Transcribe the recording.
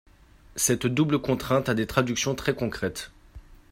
Cette double contrainte a des traductions très concrètes.